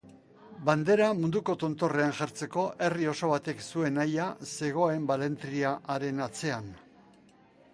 Bandera munduko tontorrean jartzeko herri oso batek zuen nahia zegoen balentria haren atzean.